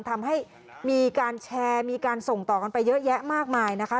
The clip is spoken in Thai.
ทำให้มีการแชร์มีการส่งต่อกันไปเยอะแยะมากมายนะคะ